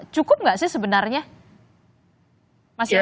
cukup gak sih sebenarnya mas ilham